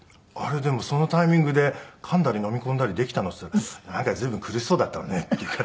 でもそのタイミングでかんだり飲み込んだりできたの？」って言ったら「随分苦しそうだったわね」って言うから。